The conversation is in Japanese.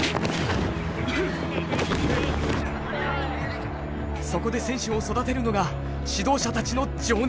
そこで選手を育てるのが指導者たちの情熱。